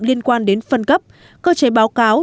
liên quan đến phân cấp cơ chế báo cáo